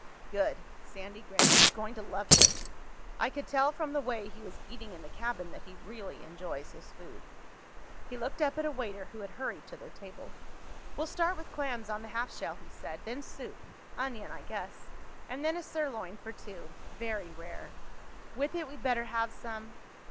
"Good." Sandy grinned. "He's going to love this. I could tell from the way he was eating in the cabin that he really enjoys his food." He looked up at a waiter who had hurried to their table. "We'll start with clams on the half shell," he said. "Then soup—onion, I guess. And then a sirloin for two—very rare. With it we'd better have some...."